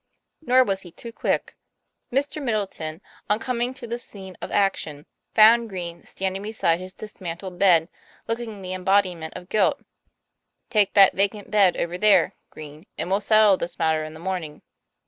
Nor was he too quick. Mr. Middleton, oncoming to the scene of action, found Green standing beside his dismantled bed, looking the embodiment of guilt. " Take that vacant bed over there, Green, and we'll settle this matter in the morning."